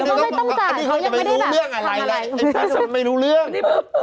อันนี้เค้าจะไม่รู้เรื่องอะไรไม่รู้เรื่อง